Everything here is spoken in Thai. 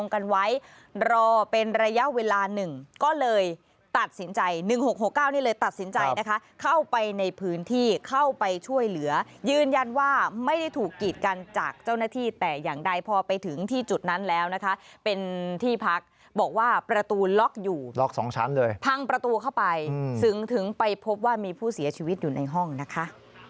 เข้าไปในพื้นที่เข้าไปช่วยเหลือยืนยันว่าไม่ได้ถูกกีดกันจากเจ้าหน้าที่แต่อย่างใดพอไปถึงที่จุดนั้นแล้วนะคะเป็นที่พักบอกว่าประตูล็อกอยู่ล็อกสองชั้นเลยพังประตูเข้าไปซึ่งถึงไปพบว่ามีผู้เสียชีวิตอยู่ในห้องนะคะ